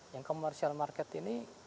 yang commercial market ini